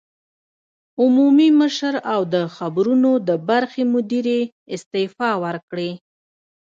عمومي مشر او د خبرونو د برخې مدیرې استعفی ورکړې